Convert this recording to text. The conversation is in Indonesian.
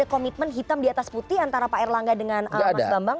komitmen hitam di atas putih antara pak erlangga dengan mas bambang